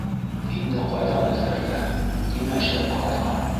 - Инде ҡайҙан эҙләргә, нимә эшләп ҡарарға...